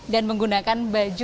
dan menggunakan baju